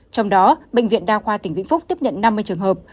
trong đó bệnh viện đa khoa tỉnh vĩnh phúc tiếp nhận năm mươi trường hợp